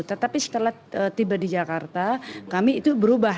tetapi setelah tiba di jakarta kami itu berubah